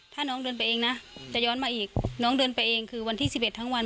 ถ้าน้องเดินไปเองนะจะย้อนมาอีกน้องเดินไปเองคือวันที่๑๑ทั้งวัน